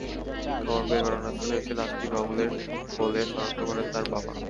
খবর পেয়ে ঘটনাস্থলে এসে লাশটি বাবুলের বলে শনাক্ত করেন তার বাবা।